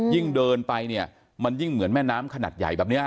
ยิ่งเดินไปเนี่ยมันยิ่งเหมือนแม่น้ำขนาดใหญ่แบบนี้